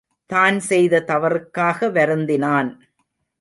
தான் செய்த தவறுக்காக வருந்தினான்.